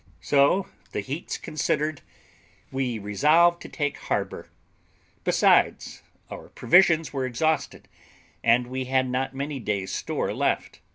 So, the heats considered, we resolved to take harbour; besides, our provisions were exhausted, and we had not many days' store left.